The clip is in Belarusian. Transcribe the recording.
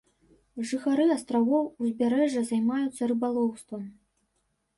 Жыхары астравоў, узбярэжжа займаюцца рыбалоўствам.